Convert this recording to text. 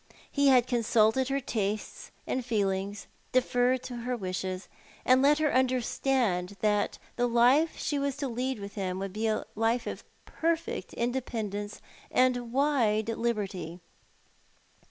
He had consulted her tastes and feelings, deferred to her wishes, and had let her understand that the life she was to lead with him would be a life of perfect independence and wide liberty.